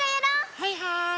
はいはい。